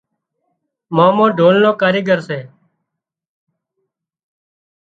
مامو ڍول نو ڪاريڳر سي